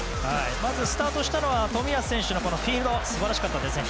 まずスタートしたのは冨安選手のフィード素晴らしかったですね。